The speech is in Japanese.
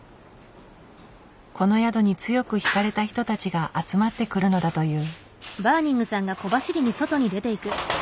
この宿に強く惹かれた人たちが集まってくるのだという。